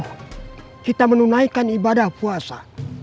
sebulan penuh kita menunaikan ibadah puasa